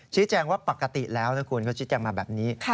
ชี้แจงว่าปกติแล้วนะคุณก็ชี้แจงมาแบบนี้